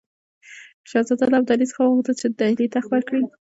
شهزاده له ابدالي څخه وغوښتل چې د ډهلي تخت ورکړي.